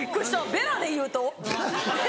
「ベラでいうと」？